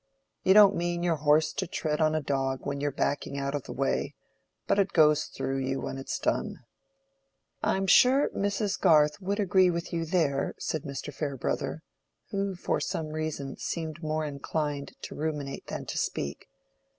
You don't mean your horse to tread on a dog when you're backing out of the way; but it goes through you, when it's done." "I am sure Mrs. Garth would agree with you there," said Mr. Farebrother, who for some reason seemed more inclined to ruminate than to speak.